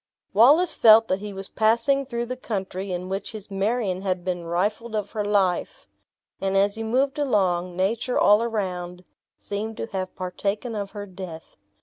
Wallace felt that he was passing through the country in which his Marion had been rifled of her life; and as he moved along, nature all around seemed to have partaken of her death.